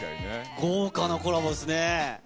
豪華なコラボですね。